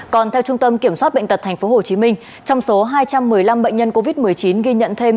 còn theo trung tâm kiểm soát bệnh tật tp hcm trong số hai trăm một mươi năm bệnh nhân covid một mươi chín ghi nhận thêm